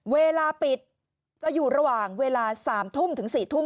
เวลาปิดจะอยู่ระหว่างเวลา๓ทุ่มถึง๔ทุ่ม